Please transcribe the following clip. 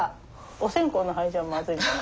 お線香の灰じゃまずいかな？